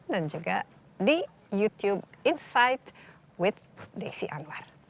dan juga di youtube insight with desi anwar